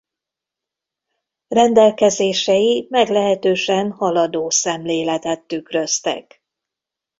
Rendelkezései meglehetősen haladó szemléletet tükröztek.